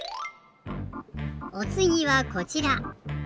おつぎはこちら。